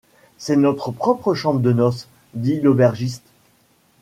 C’est notre propre chambre de noce, dit l’aubergiste.